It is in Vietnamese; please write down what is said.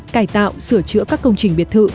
cải tạo sửa chữa các công trình biệt thự